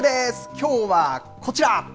きょうはこちら。